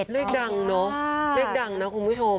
เลขดังเนอะเลขดังนะคุณผู้ชม